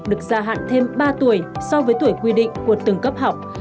được gia hạn thêm ba tuổi so với tuổi quy định của từng cấp học